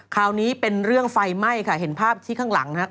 คราวนี้เป็นเรื่องไฟไหม้ค่ะเห็นภาพที่ข้างหลังฮะ